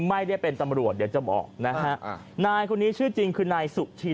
ไม่ได้เป็นตำรวจเดี๋ยวจะบอกนะฮะนายคนนี้ชื่อจริงคือนายสุชี